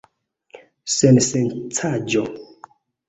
Sensencaĵo!